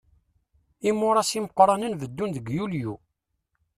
Imuras imeqqranen beddun deg yulyu.